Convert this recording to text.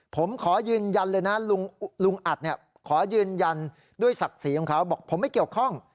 ผมขอยืนยันเลยนะลุงอัดขอยืนยันด้วยศักดิ์ศรีของเขาบอกผมไม่เกี่ยวข้อง